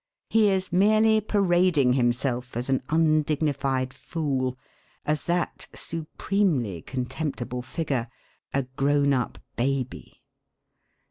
He is merely parading himself as an undignified fool, as that supremely contemptible figure a grown up baby.